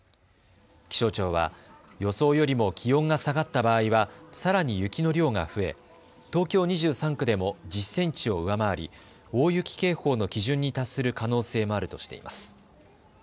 気象庁は予想よりも気温が下がった場合はさらに雪の量が増え東京２３区でも１０センチを上回り、大雪警報の基準に達する可能性もあるとしています。